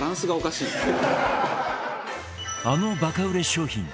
あのバカ売れ商品